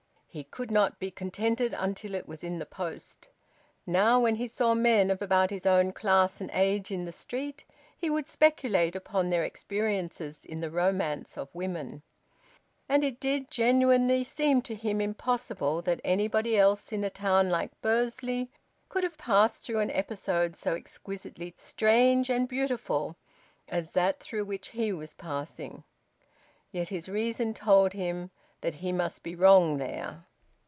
He could not be contented until it was in the post. Now, when he saw men of about his own class and age in the street, he would speculate upon their experiences in the romance of women. And it did genuinely seem to him impossible that anybody else in a town like Bursley could have passed through an episode so exquisitely strange and beautiful as that through which he was passing. Yet his reason told him that he must be wrong there.